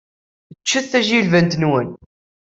Ččemt tajilbant-nwent.